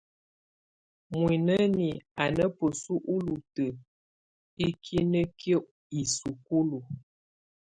Muinǝ́ni á ná bǝ́su úlutǝ́ ínǝ́kiniǝ́ isúkulu.